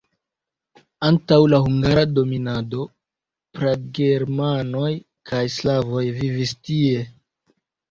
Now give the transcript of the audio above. Antaŭ la hungara dominado pragermanoj kaj slavoj vivis tie.